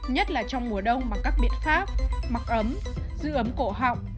nhất là trong mùa đông bằng các biện pháp mặc ấm giữ ấm cổ họng